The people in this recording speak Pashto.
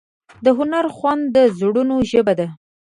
د هنر خوند د زړونو ژبه ده.